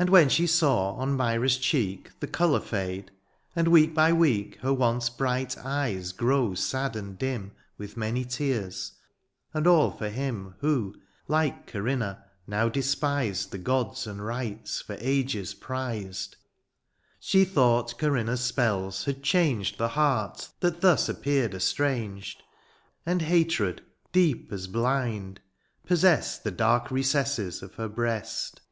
And when she saw on Myra^s cheek The colour fiade — and week by week Her once bright eyes grow sad and dim With many tears, and all for him Who, like Corinna, now despised The gods and rites for ages prized ; She thought Corinna's spells had changed The heart, that thus appeared estranged ; And hatred deep as blind, possessed The dark recesses of her breast.